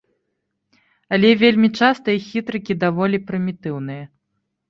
Але вельмі часта іх хітрыкі даволі прымітыўныя.